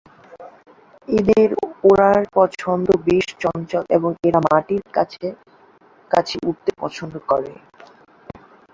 এদের ওড়ার ছন্দ বেশ চঞ্চল এবং এরা মাটির কাছাকাছি উড়তে পছন্দ করে।